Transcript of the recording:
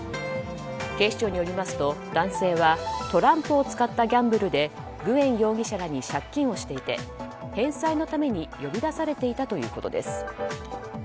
警視庁によりますと男性はトランプを使ったギャンブルでグエン容疑者らに借金をしていて返済のために呼び出されていたということです。